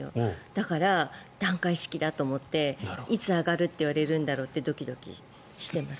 だから、段階式だと思っていつ上がると言われるんだろうとドキドキしています。